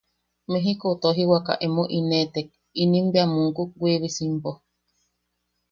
Mejikou tojiwaka emo ineʼetek, inim bea muukuk Wiibisimpo.